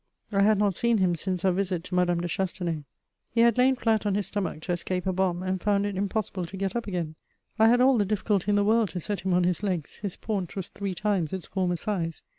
I had not seen him since our visit to Madame de Chastenay. He had lain flat on his stomach to escape a bomb, and found it impossible to get up again. I had all the difficulty in the world to set him on his legs; his paunch was three times its former size.